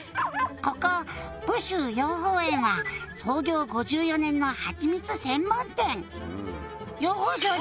「ここ武州養蜂園は創業５４年のはちみつ専門店」